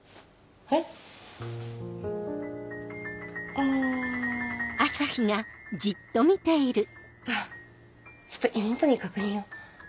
あっちょっと妹に確認を。